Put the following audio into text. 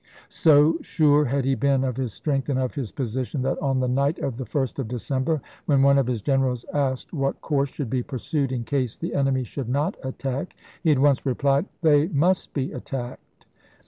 So sure had he been of his strength and of his position that, on the night of the 1st of December, when one of his generals isea. asked what course should be pui'sued in case the coote, enemy should not attack, he at once replied, " They "GeltrA must be attacked."